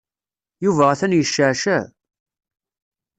Yuba atan yecceɛceɛ.